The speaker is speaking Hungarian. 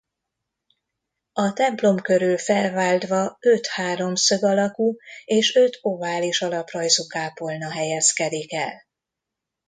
A templom körül felváltva öt háromszög alakú és öt ovális alaprajzú kápolna helyezkedik el.